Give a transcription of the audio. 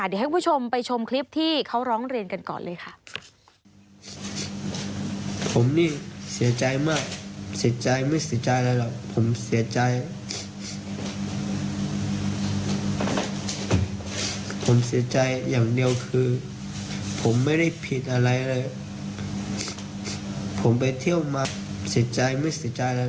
เดี๋ยวให้คุณผู้ชมไปชมคลิปที่เขาร้องเรียนกันก่อนเลยค่ะ